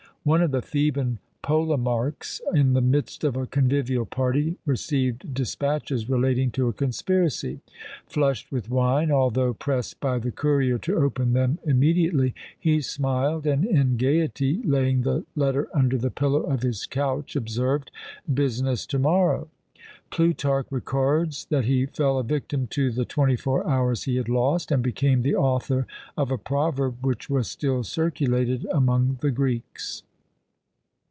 One of the Theban polemarchs, in the midst of a convivial party, received despatches relating to a conspiracy: flushed with wine, although pressed by the courier to open them immediately, he smiled, and in gaiety laying the letter under the pillow of his couch, observed, "Business to morrow!" Plutarch records that he fell a victim to the twenty four hours he had lost, and became the author of a proverb which was still circulated among the Greeks.